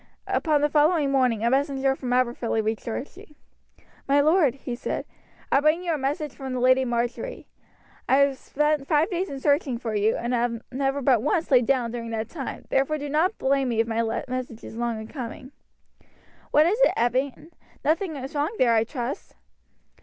Upon the following morning a messenger from Aberfilly reached Archie. "My lord," he said, "I bring you a message from the Lady Marjory. I have spent five days in searching for you, and have never but once laid down during that time, therefore do not blame me if my message is long in coming." "What is it, Evan? nought is wrong there, I trust?"